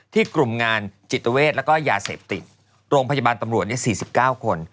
กลุ่มงานจิตเวทแล้วก็ยาเสพติดโรงพยาบาลตำรวจ๔๙คน